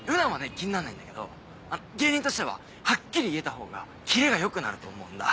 気になんないんだけど芸人としてははっきり言えた方がキレが良くなると思うんだ。